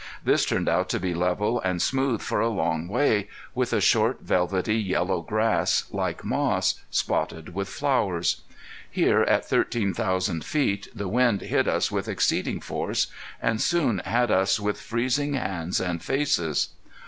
This turned out to be level and smooth for a long way, with a short, velvety yellow grass, like moss, spotted with flowers. Here at thirteen thousand feet, the wind hit us with exceeding force, and soon had us with freezing hands and faces.